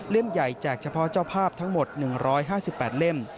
ใหญ่แจกเฉพาะเจ้าภาพทั้งหมด๑๕๘เล่ม